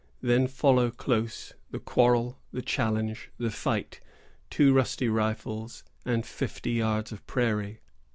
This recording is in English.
Then follow close the quarrel, the challenge, the fight,——two rusty rifles and fifty yards of prairie.